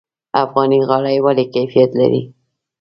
افغاني غالۍ ولې کیفیت لري؟